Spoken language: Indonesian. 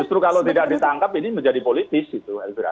justru kalau tidak ditangkap ini menjadi politis gitu elvira